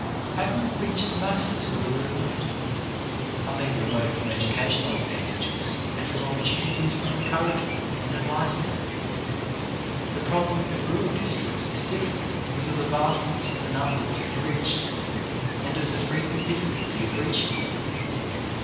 193 i 9 4 CHARACTER BUILDING How can we reach the masses who are remote — I mean remote from educational advantages and from opportunities for encouragement and en lightenment ? The problem in the rural districts is difficult because of the vastness of the number to be reached, and of the frequent difficulty of reaching them.